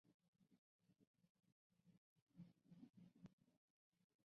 中共中央中原局是负责中央地区的党的领导机构。